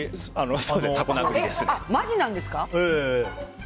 マジなんですか？